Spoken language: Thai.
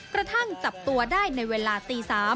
กระทั่งจับตัวได้ในเวลาตี๓